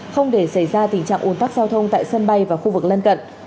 không để xảy ra tình trạng ồn tắc giao thông tại sân bay và khu vực lân cận